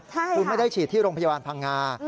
คุณไม่ได้ฉีดที่โรงพยาบาลพังงา